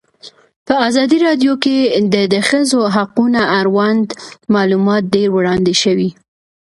په ازادي راډیو کې د د ښځو حقونه اړوند معلومات ډېر وړاندې شوي.